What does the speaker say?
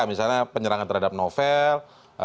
misalnya penyerangan terhadap novel